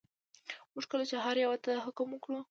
موږ کله چې هر یوه ته حکم وکړو.